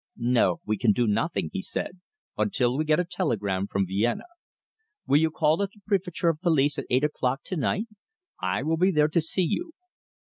No! We can do nothing," he said, "until we get a telegram from Vienna. Will you call at the Préfecture of Police at eight o'clock to night? I will be there to see you."